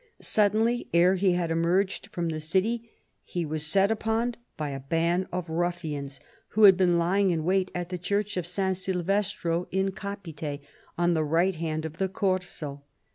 Suddenly, ere he had emerged from the city, he was set upon by a band of ruffians who had been lying in wait at the church of St. Silvestro in Capite, on the right hand of the Corso.